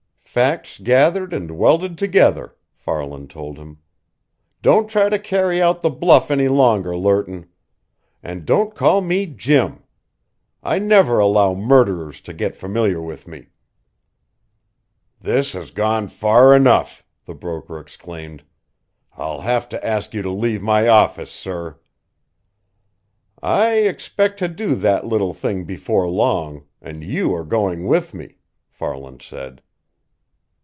"Facts gathered and welded together," Farland told him. "Don't try to carry out the bluff any longer, Lerton. And don't call me Jim. I never allow murderers to get familiar with me!" "This has gone far enough!" the broker exclaimed. "I'll have to ask you to leave my office, sir!" "I expect to do that little thing before long, and you are going with me," Farland said.